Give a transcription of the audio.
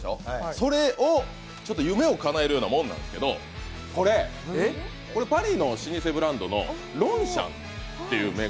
それを夢をかなえるようなもんなんですけど、これ、パリの老舗ブランドのロンシャンっていう銘柄。